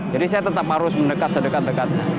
jadi saya tetap harus mendekat sedekat dekatnya